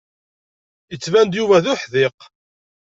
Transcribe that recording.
Yettban-d Yuba d uḥdiq.